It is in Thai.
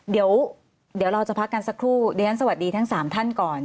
เดี๋ยวฉันสวัสดีทั้ง๓ท่านก่อน